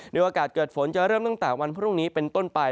โดยโอกาสเกิดฝนจะเริ่มตั้งแต่วันพรุ่งนี้เป็นต้นไป